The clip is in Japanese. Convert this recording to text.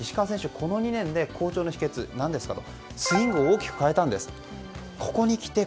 石川選手、この２年で好調の秘訣何ですかと。